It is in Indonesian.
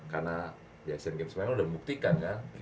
karena asean games memang udah membuktikan ya